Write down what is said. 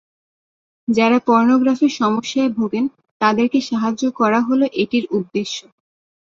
যারা পর্নোগ্রাফি সমস্যায় ভোগেন তাঁদেরকে সাহায্য করা হল এটির উদ্দেশ্য।